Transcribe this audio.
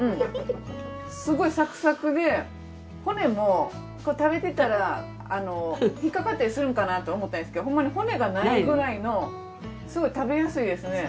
すごいサクサクで骨も食べてたら引っかかったりするんかなと思ったんですけどほんまに骨がないくらいのすごい食べやすいですね。